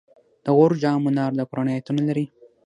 د غور جام منار د قرآن آیتونه لري